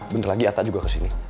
bentar lagi atta juga kesini